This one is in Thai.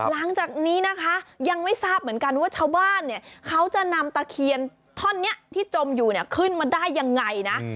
หลังจากนี้นะคะยังไม่ทราบเหมือนกันว่าชาวบ้านเนี่ยเขาจะนำตะเคียนท่อนนี้ที่จมอยู่เนี่ยขึ้นมาได้ยังไงนะ